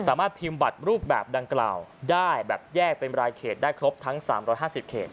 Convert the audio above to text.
สามารถพิมพ์บัตรรูปแบบดังกล่าวได้แบบแยกเป็นรายเขตได้ครบทั้ง๓๕๐เขต